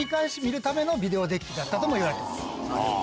ためのビデオデッキだったともいわれています。